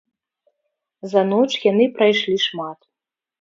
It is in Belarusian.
За ноч яны прайшлі шмат.